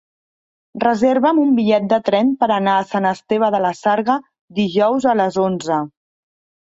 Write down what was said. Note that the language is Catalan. Reserva'm un bitllet de tren per anar a Sant Esteve de la Sarga dijous a les onze.